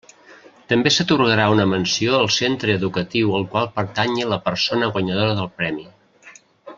També s'atorgarà una menció al centre educatiu al qual pertanyi la persona guanyadora del Premi.